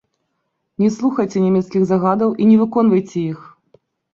Не слухайце нямецкіх загадаў і не выконвайце іх!